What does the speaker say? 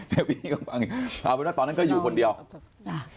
เดี๋ยวพี่กำลังฟังเอาเป็นว่าตอนนั้นก็อยู่คนเดียวจ้ะ